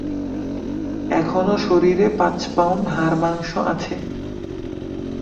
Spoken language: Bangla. এখনো শরীরে পাঁচ পাউন্ড হাড়-মাংস আছে।